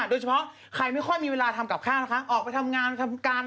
โดยเฉพาะใครไม่ค่อยมีเวลาทำกับข้าวนะคะออกไปทำงานทำการ